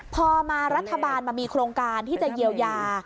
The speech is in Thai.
พอมารัฐบาลมามีโครงการที่จะเยียวยา